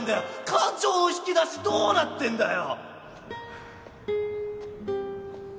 感情の引き出しどうなってんだよ！